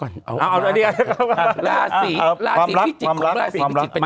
ลาสีพิจิตร